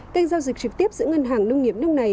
kênh giao dịch trực tiếp giữa ngân hàng nông nghiệp nước này